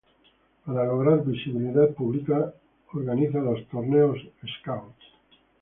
Para lograr visibilidad pública organiza los 'Torneos Scouts'.